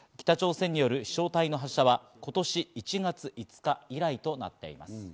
北朝鮮による飛翔体の発射は今年１月５日以来となっています。